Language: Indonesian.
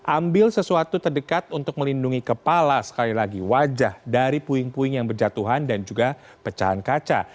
ambil sesuatu yang terdekat untuk melindungi kepala dan wajah dari puing puing yang berjatuhan dan pecahan kaca